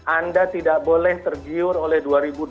anda tidak boleh tergiur oleh dua ribu dua puluh